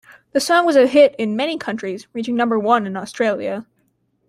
The song was a hit in many countries, reaching number one in Australia.